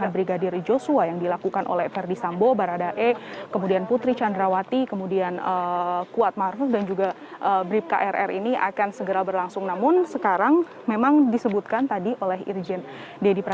bagaimana menurut anda